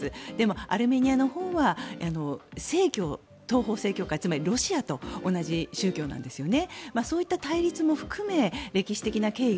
でも、アルメニアのほうは東方正教会ロシアと同じ宗教なんですね。